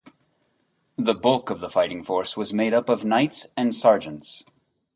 The bulk of the fighting force was made up of knights and sergeants.